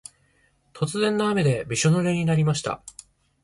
突然の雨でびしょぬれになりました。